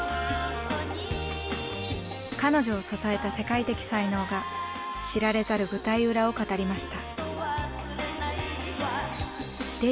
彼女を支えた世界的才能が知られざる舞台裏を語りました。